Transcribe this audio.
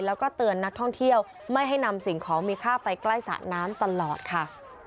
แล้วก็เตือนนักท่องเที่ยวไม่ให้นำสิ่งของมีค่าไปใกล้สระน้ำตลอดค่ะ